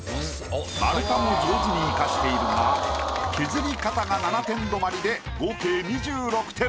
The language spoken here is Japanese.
丸太も上手に生かしているが削り方が７点止まりで合計２６点。